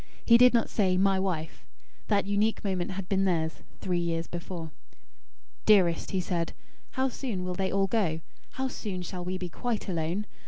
He did not say: "My wife." That unique moment had been theirs, three years before. "Dearest," he said, "how soon will they all go? How soon shall we be quite alone?